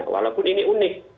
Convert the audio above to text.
walaupun ini unik